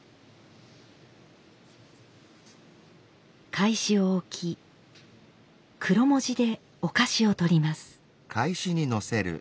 懐紙を置き黒文字でお菓子を取ります。